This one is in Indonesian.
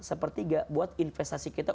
sepertiga buat investasi kita